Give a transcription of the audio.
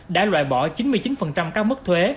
đã loại bỏ chín mươi chín các mức thuế